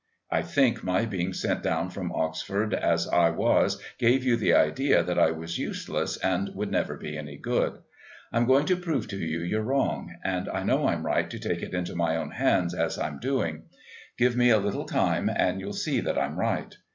I think my being sent down from Oxford as I was gave you the idea that I was useless and would never be any good. I'm going to prove to you you're wrong, and I know I'm right to take it into my own hands as I'm doing. Give me a little time and you'll see that I'm right.